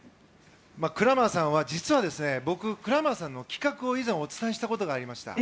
クラマーさんは実は僕、クラマーさんの企画を以前お伝えしたことがありました。